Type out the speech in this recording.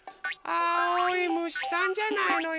あおいむしさんじゃないのよ！